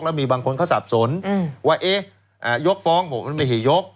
แล้วมีบางคนเขาสับสนว่ายกฟ้องผมมันไม่ใช่ยก